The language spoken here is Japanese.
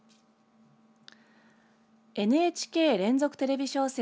ＮＨＫ連続テレビ小説